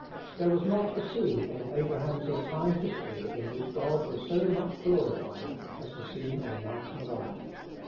There was not a scene in Abraham's entire history in which God was so much glorified as the scene on Mount Moriah.